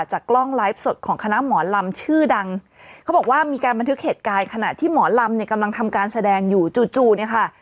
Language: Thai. กล้องไลฟ์สดของคณะหมอลำชื่อดังเขาบอกว่ามีการบันทึกเหตุการณ์ขณะที่หมอลำเนี่ยกำลังทำการแสดงอยู่จู่จู่เนี่ยค่ะ